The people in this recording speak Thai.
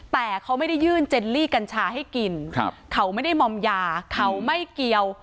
แต่เขาไม่ได้ยื่นเจลลี่กัญชาให้กินเขาไม่ได้มอมยาเขาไม่เกี่ยว